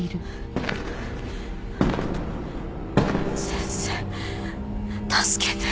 先生助けて。